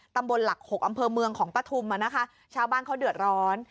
ตำบลหลัก๖อำเภอเมืองของปฐุมอ่ะนะคะชาวบ้านเขาเดือดร้อน